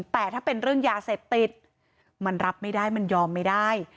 แต่ถ้าเป็นเรื่องยาเสพติดมันรับไม่ได้มันยอมไม่ได้